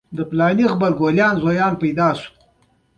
د بریښنا موټرې دود کیږي.